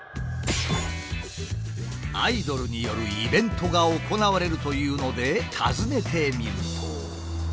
アイドルによるイベントが行われるというので訪ねてみると。